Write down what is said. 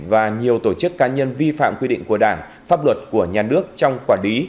và nhiều tổ chức cá nhân vi phạm quy định của đảng pháp luật của nhà nước trong quản lý